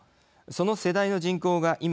その世代の人口が今